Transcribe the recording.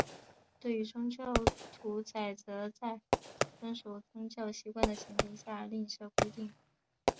对于宗教屠宰则在遵守宗教习惯的前提下另设规定。